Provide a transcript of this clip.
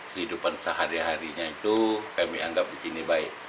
kehidupan sehari harinya itu kami anggap begini baik